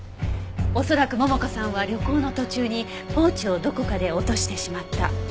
恐らく桃香さんは旅行の途中にポーチをどこかで落としてしまった。